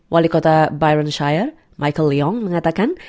wali kota byron shire michael leong mengatakan